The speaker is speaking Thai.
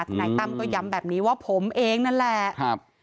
นายตั้มก็ย้ำแบบนี้ว่าผมเองนั่นแหละ